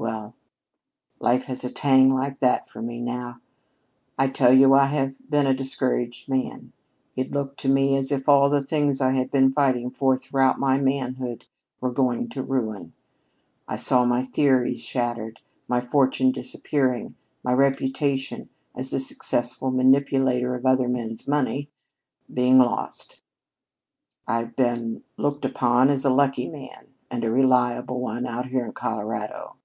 Well, life has a tang like that for me now. I tell you, I have been a discouraged man. It looked to me as if all of the things I had been fighting for throughout my manhood were going to ruin. I saw my theories shattered, my fortune disappearing, my reputation, as the successful manipulator of other men's money, being lost. I've been looked upon as a lucky man and a reliable one out here in Colorado.